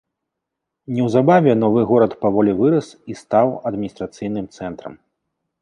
Неўзабаве новы горад паволі вырас і стаў адміністрацыйным цэнтрам.